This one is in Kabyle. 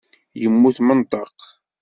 Yemmut menṭeq.